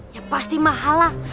ya pasti mahal lah